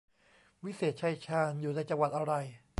วิเศษชัยชาญ อยู่ในจังหวัดอะไร